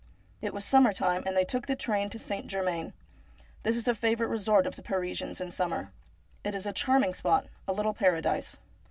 It was summer time and they took train to St. Germain. This is a favourite resort of the Parisians in the summer. It is a charming spot, a little paradise.